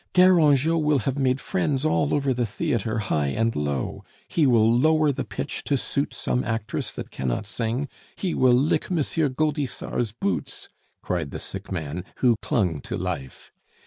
Garangeot will have made friends all over the theatre, high and low. He will lower the pitch to suit some actress that cannot sing, he will lick M. Gaudissart's boots!" cried the sick man, who clung to life.